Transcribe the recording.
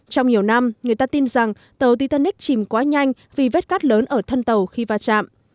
trong nhiều năm người ta tin rằng tàu titanic chìm quá nhanh vì vết cắt lớn ở thân tàu khi va chạm